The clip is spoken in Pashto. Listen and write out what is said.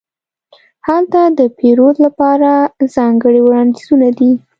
هلته د پیرود لپاره ځانګړې وړاندیزونه دي.